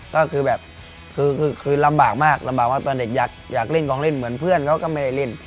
ก็คือแบบคือลำบากมากลำบากว่าตอนเด็กอยากเล่นกองเล่นเหมือนเพื่อนเขาก็ไม่ได้เล่น